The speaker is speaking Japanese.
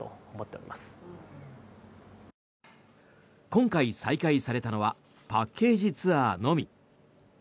今回再開されたのはパッケージツアーのみ。